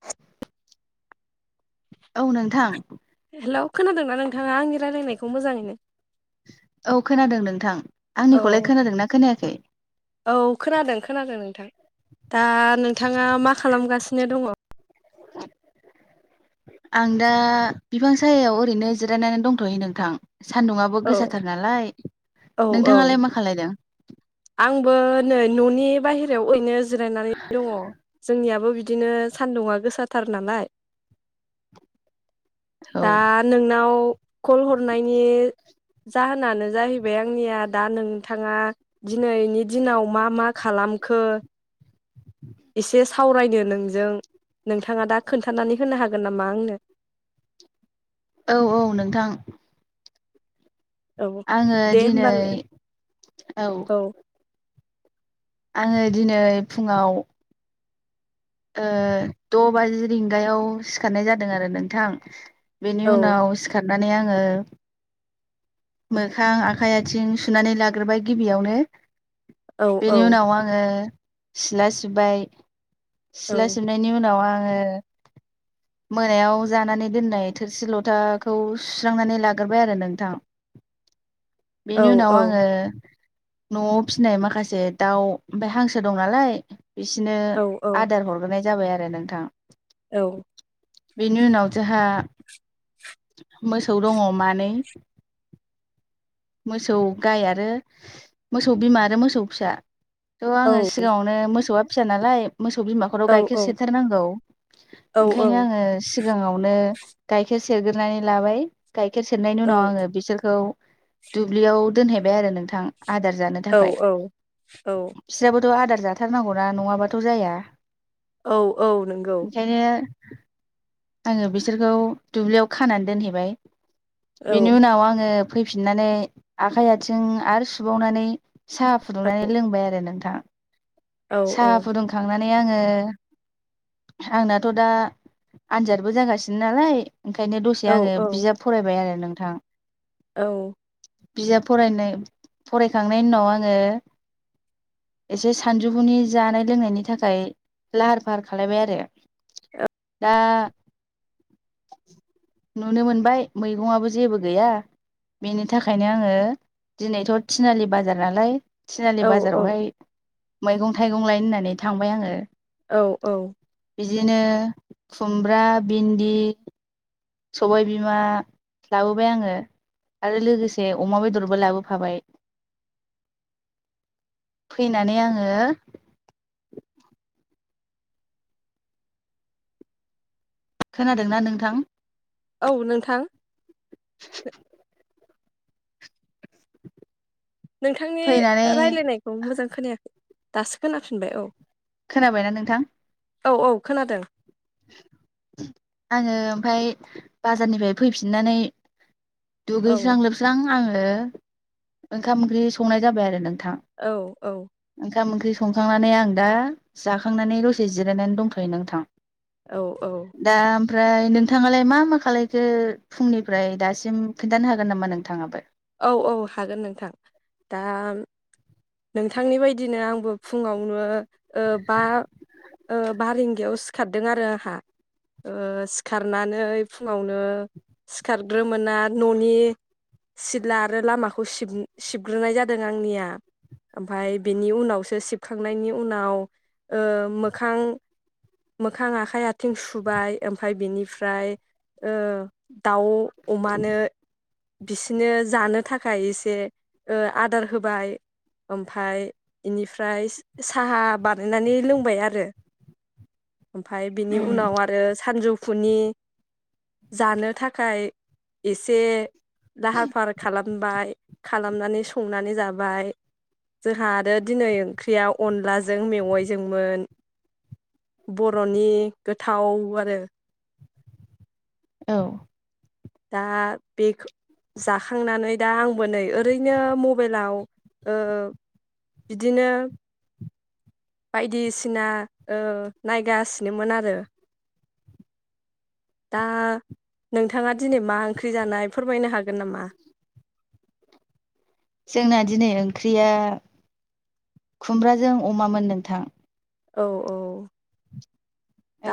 [unintelligible] औ नोंथां। हेलौ खोनादोंना नोंथाङा आंनि रायलायनायखौ मोजाङैनो? औ खोनादों नोंथां। आंनिखौलाय औ खोनादोंना खोनायाखै? औ खोनादों खोनादों नोंथां दा। नोंथाङा मा खालामगासिनो दङ? आं दा बिफां सायायाव ओरैनो जिरायनानै दंथ'है नोंथां। सान्दुङआबो औ गोसााथार नालाय औ औ नोंथाङालाय मा खालायदों? आंबो नै न'नि [unintelligible] जिरायनानै दङ जोंनियाबो बिद बिदिनो सान्दुंङा गोसाथार नालाय। औ दा नोंनाव। कल हरनायनि। जाहोनानो जाहैबाय आंनिया दा नोंथाङा। दिनैनि दिनाव मा मा खालामखो एसे सावरायनो नोंजों नोंथाङा दा खोन्थानानै होनो हागोन नामा आंनो? औ औ नोंथां। औ आङो दे दिनै होमबालाय औ आङो दिनै फुङाव ओ-द' बाजि रिंगायाव सिखारनाय जादों आरो नोंथां। बेनि औ उनाव सिखाद नानै आङो मोखां आखाइ आथिं सुनानै लाग्रोबाय गिबियावनो औ औ बेनि उनाव आङो सिला सिबबाय। औ सिला सिबनायनि उनाव आं ङो मोनायाव जानानै दोननाय थोरसि लथाखौ सुस्रांनानै लाग्रोबाय आरो नोंथां। औ बेनि औ उनाव आङो न'आव फिसिनाय माखासे दाउ ओमफाय हांसो दं नालाय। बिसिनो औ आदार हरगोनाय। जाबाय आरो नोंथां। औ बेनि उनाव जोंहा मोसौ दङ मानै मोसौ गाइ आरो मोसौ बिमा आरो मोसौ फिसा। थ' आङो सिगाङावनो मोसौआ फिसा नालाय। मोसौ बिमाखौथ' गाइखेर सेरथेरनांगौ ओंखायनो आङो सिगाङावनो गायखेर सेरग्रोनानै लाबाय गाइखेर सेरनायनि उनाव आङो बिसोरखौ दुब्लियाव दोनहैबाय आरो नोंथां आदार जानो थाखाय औ बिस्राबो आदार जाथारनांगौना नङाबाथ जाया। औ औ नंगौ ओंखायनो आङो बिसोरखौ दुब्लियाव खानानै दोनहैबाय औ बिनि उनाव आङो फैफिननानै आखाइ आथिं आरो सुबावनानै साहा फुदुंनानै लोंबाय आरो नोंथां औ औ साहा फुदुंखांना माने आङो आंनाथ दा आनजादबो जागासिनो नालाय। ओंखायनो औ दसे आङो बिजाब फरायबाय आरो नों थां औ बिजाब फरायनाय फरायखांनायनि उनाव आङो एसे सानजौफुनि जानाय लोंनायनि थाखाय लाहार फाहार खालायबाय आरो। ओ दा नुनो मोनबाय मैगंआबो जेबो गैया बेनि थाखायनो आङो दिनैथ' थिनालि बाजार नालाय औ तिनालि बाजारावहाय मैगं थाइगं लायनो होननानै थांबाय आङो औ औ। बिदिनो खुमब्रा, भिन्दि, सबाय बिमा लाबोबाय आङो आरो लोगोसे अमा बेदरबो लाबोफाबाय। फैनानै आङो खोनादोंना नोंथां? औ नोंथां। [inaudible] नोंथांनि फैनानै रायलायनायखौ मोजां खोनायाखै। दासो खोनाफिनबाय औ। खोनाबायना नोंथां? औ औ खोनादों। आङो ओमफाय बाजारनिफ्राय फैफिननानै औ दुगैस्रां लोबस्रां आङो ओ ओंखाम ओंख्रि संनाय जाबाय आरो नों थां औ औ ओंखाम ओंख्रि स संखांनानै आं दा जाखांनानै दसे जिरायनानै दंथ'यो नोंथां। औ औ। दा ओमफ्राय नोंथाङालाय मा मा खालायखो फुंनिफ्राय दासिम खिन्थानो हागोन नामा नोंथाङाबो? औ औ हागोन नोंथां। दा नोंथांनि बायदि दिनो आंबो फुंआव ओ बा ओ बा रिंगायाव बिदियाव सिखारदों आरो आंहा सिखारनानै फुङावनो सिखारग्रोमोना न'नि सिला आरो लामाखौ सिब-सिबग्रोनाय जादों आंनिया। ओमफाय बिनि उनावसो सिबखांनायनि उनाव ओ मोखां मोखां आखाइ आथिं सुबाय ओमफाय बिनिफ्राय ओ दाउ अमानो बिसोरनो जानो थाखाय एसे ओ आदार होबाय। ओमफाय इनिफ्राय साहा बानायनानै लोंबाय आरो। ओमफाय बिनि उम उनाव आरो सानजौ फुनि जानो थाखाय एसे लाहार फाहार खालामबाय। खालामनानै संनानै जाबाय। जोंहा आरो दिनै ओंख्रिया अनलाजों मेवाइजोंमोन बर'नि गोथाव आरो। औ। दा बेखौ जाखांनानै दा आंबो नै ओरैनो मबाइलाव ओ बिदिनो बायदिसिना ओ नायगासिनोमोन आरो। दा नोंथाङा दिनै मा ओंख्रि जानाय फोरमायनो हागोन नामा? जोंना दिनै ओंख्रिया खुमब्राजों अमामोन नोंथां। औ औ।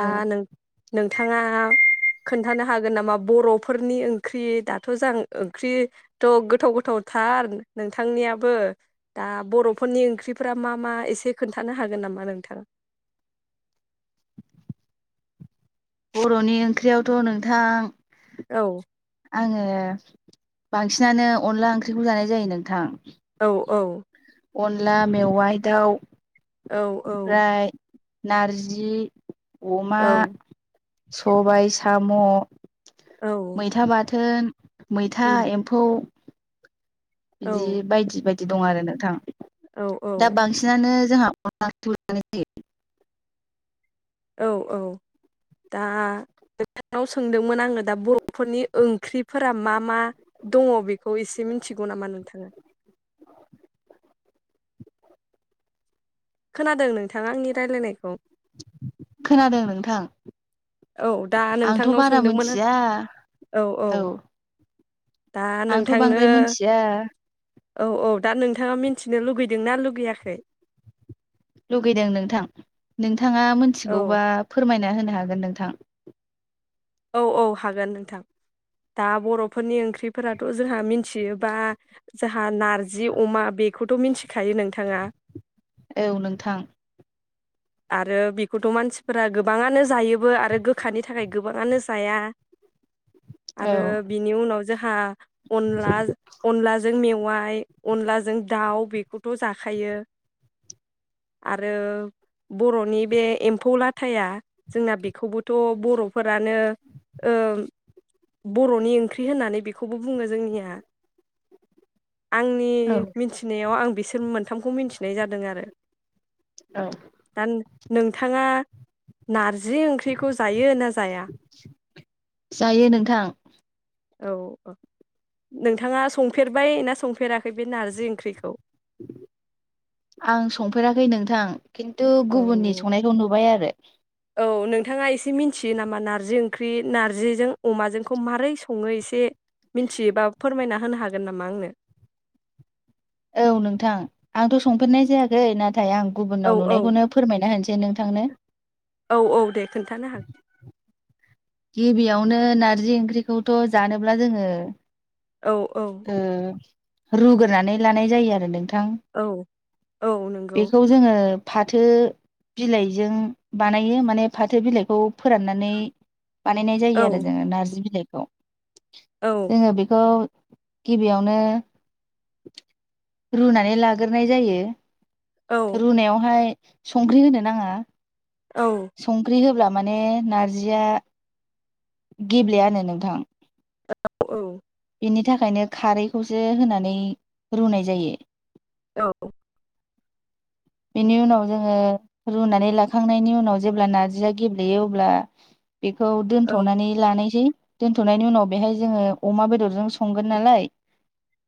औ नों नोंथाङा खोन्थानो हागोन नामा बरफोरनि ओंख्रि दाथ जाओंख्रियाथ गोथाव गोथावथार नोंथांनियाबो दा बरफोरनि ओंख्रिफोरा मा मा एसे खोन्थानो हागोन नामा नोंथां? बरनि ओंख्रियावथ नोंथां औ आङो बांसिनानो अनला ओंख्रिखौ जानाय जायो नोंथां औ औ अनला मेवाइ दाउ औ औ ओमफ्राय नारजि अमा औ सबायाइ सा साम औ मैथा बा बाथोन। मैथा उम एम्फौ औ बिदि बायदि बाय बिदि दं आरो नोंथां औ दा औ बांसिनानो जोंहा अनला ओंख्रिखौ जानाय जायो औ औ दा नोंथनाव सोंदोंमोन आङो दा बरफोरनि ओंख्रिफोरा मा मा दङ बेखौ एसे मिथिगौ नामा नोंथाङा [inaudible] खोनादों नों नोंथाङा आंनि रायलायनायखौ खोनादों नोंथां औ दा आंथ' नोंथांनाव बारा सोंदोंमोन मोनथिया औ औ दा आंथ नोंथांनो बांद्राय मिथिया औ औ दा नोंथाङा मिथिनो लुगैदोंना लुगैयाखै लुगैदों नोंथां नोंथाङा औ मिथिगौबा फोरमायना होनो नो हागोन नोंथां औ औ हागोन नोंथां दा बरफोरनि ओंख्रिफोराथ जोंहा मिथियोबा जोंहा नारजि अमा बेखौथ मिथिखायो नोंथाङा औ नोंथां आरो बेखौथ मानसिफोरा गोबाङानो जायोबो आरो गोखानि थाखाय गोबाङानो जाया औ आरो बिनि उनाव ज जोहा अनला अनलाजों मेव मबाय अनलाजों दाउ बेखौथ जाखायो आरो बर'नि बे एम्फौ लाथाया जोंना बेखौबोथ बर'फोरानो ओ बरनि ओंख्रि होननानै बेखौबो बुङो जोंनिया आंनि औ मिथिनायाव आं बिसोर मोनथामखौ मिनथिनाय जादों आरो औ दा नोंथाङा नारज जि ओंख्रिखौ जायो ना जाया? जायो नोंथां औ औ नोंथाङा संफेरबाय ना संफेराखै बे नारजि ओंख्रिखौ? आं संफेराखै नोंथां खिन्थु औ गुबुननि संनायखौ नुबाय आरो औ नोंथाङा एसे मिथियो नामा नार्जि ओंख्रि नार्जिजों अमाजोंखौ माबोरै सङो एसे मिथियोबा फोरमायना होनो हागोन नामा आंनो औ नोंथां आंथ संफेरनाय जायाखै ना थाय आं औ गुबुननाव औ नुनायखौनो फोरमायना होनोसै आं नोंथांनो। औ औ दे खोन्थानो हागोन गिबियावनो नारजि ओंख्रिखौथ' जानोब्ला जोङो औ औ ओ रुग्रोनानै लानाय जायो आरो नोंथ थां औ औ नंगौ बेखौ जोङो फाथो बिलाइजों बानायो माने फाथो बिलाइखौ फोराननानै बानायनाय जायो आरो औ जोङो नार्जि बिलाइ औ औ जोङो बेखौ गिबियावनो रुनानै लाग्रोनाय जायो। औ रुनायावहाय संख्रि होनो नाङा। औ संख्रि होब्लाब माने नारजिया गेब्लेयानो नोंथां औ औ बिनि थाखायनो खारैखौसो होनानै रुनाय जायो। औ बेनि उनाव जोङो रुनानै लाखांनायनि उनाव जेब्ला नार्जिया गेब्लेयो अब्ला बेखौ दोनथ'नानै लानायसै दोनथ'नायनि उनाव बेहाय जोङो अमा बेदरजों संगोन नालाय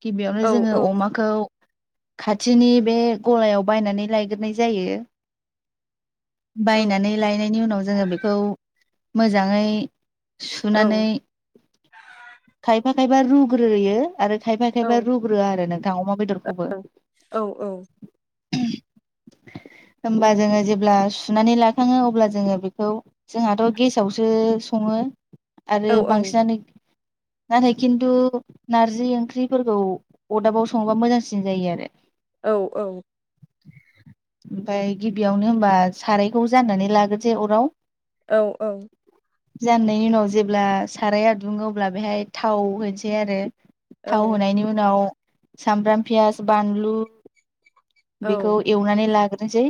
गिबियावनो औ जोङो औ अमाखौ खाथिनि बे गलायाव बायनानै लायग्रोनाय जायो। बायनानै लायनायनि उनाव जोङो बेखौ मोजाङै सुनानै खायफा खायफा रुग्रोयो आरो खायफा औ खायफा रुग्रोया आरो नोग [unintelligible] औ औ होमबा जोङो जेब्ला सुनानै लाखाङो अब्ला जोङो बेखौ जोंहाथ गेसावसो संङो आरो औ उम बांसिनानो नाथाय खिन्थु नारजि ओंख्रिफोरखौ अरदाबाव संङोबा मोजांसिन जायो आरो औ औ ओमफाय गिबियावनो होमबा सारायखौ जाननानै लाग्रोसै अराव औ औ जाननायनि उनाव जेब्ला साराया दुंङो अब्ला बेहाय थाव होनसै आरो थाव होनायनि उनाव सामब्राम फियास बानलु बेखौ एवनानै लाग्रो नोसै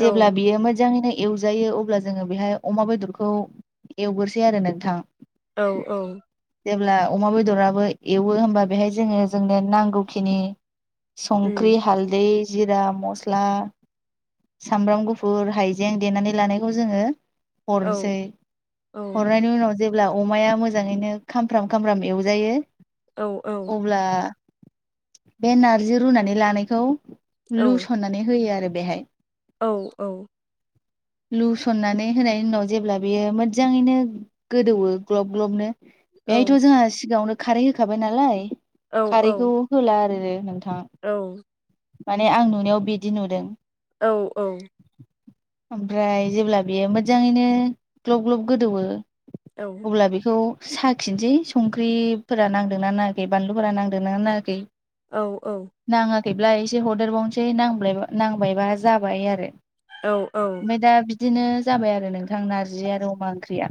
जेब्ला बियो मोजाङैनो एवजायो अब्ला जोंङो बेहाय अमा बेदरखौ एवग्रोसै आरो नोंथां औ औ जेब्ला अमा बेदराबो एवो होमबा बेहाय जोंङो जोंनो नांगौखिनि संख्रि हालदै जिरा मस्ला सामब्राम गुफुर हाइजें देनानै लानायखौ जोंङो हरसै हरनायनि उनाव जेब्ला अमाया मोजाङैनो खामफ्राम खामफ्राम एवजायो अब्ला बे नारजि रुनानै लानायखौ लुसननानै होयो आरो बेहाय औ-औ लुसननानै होनायनि उनाव जेब्ला बेयो मोजाङैनो गोदौवो ग्लब ग्लबनो औ बेहायथ जोंहा सिगाङावनो खारै होखाबाय नालाय औ खारैखौ औ होला आरो नोंथा औ माने आं नुनायाव बिदि नुदों औ-औ ओमफ्राय जेब्ला बेयो मोजाङैनो ग्लब ग्लब गोदौवो औ अब्ला बेखौ साखिनोसै संख्रिफोरा नांदोंना नाङाखै बानलुफोरा नांदोंना नाङाखै औ-औ खैब्ला एसे हरदेरबावनोसै नांब्लायबा नांबायबा जाबाय आरो औ-औ ओमफ्राय दा बिदिनो जाबाय आरो नोंथां नारजि आरो अमा ओंख्रिया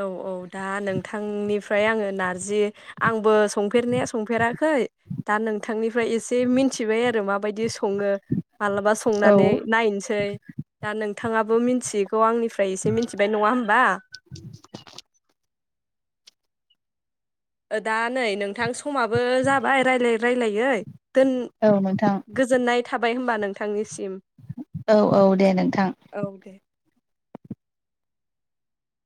औ औ दा नोंथांनिफ्राय आङो नारजि आंबो संफेरनाया संफेराखै दा नोंथांनिफ्राय एसे मिन्थिबाय आरो माबायदि सङो मालाबा औ संनानै नायनसै दा नों थाङाबो मिन्थिग खौ आंनिफ्राय एसे मिथिबाय नङा होमबा दा नै नोंथां समाबो जाबाय रायलायै रायलायै दोन औ नोंथां गोजोननाय थाब बाय होमबा नोंथांनिसिम औ औ दे नोंथां औ दे